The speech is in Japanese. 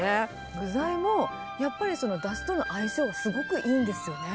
具材も、やっぱりそのだしとの相性がすごくいいんですよね。